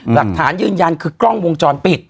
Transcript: หลักฐานยืนยันคือกล้องวงจรปิด